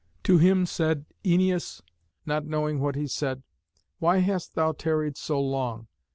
To him said Æneas, not knowing what he said, "Why hast thou tarried so long?